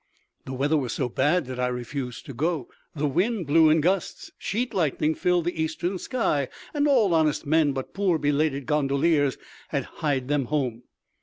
The weather was so bad that I refused to go—the wind blew in gusts, sheet lightning filled the Eastern sky, and all honest men, but poor belated gondoliers, had hied them home.